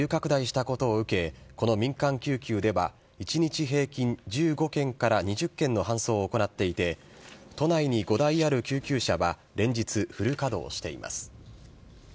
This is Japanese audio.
感染者が急拡大したことを受け、この民間救急では、１日平均１５件から２０件の搬送を行っていて、都内に５台ある救急車は連日、フル稼働しています。